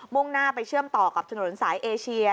่งหน้าไปเชื่อมต่อกับถนนสายเอเชีย